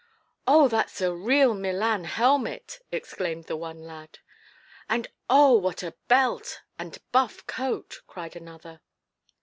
"Oh, that's a real Milan helmet!" exclaimed the one lad. "And oh, what a belt and buff coat!" cried another.